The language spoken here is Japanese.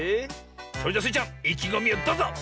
それじゃスイちゃんいきごみをどうぞ！